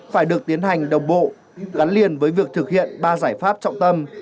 phải được tiến hành đồng bộ gắn liền với việc thực hiện ba giải pháp trọng tâm